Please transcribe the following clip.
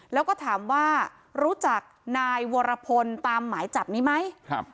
แล้วก็ถามว่ารู้จักนายวรพลตามหมายจับนี้ไหม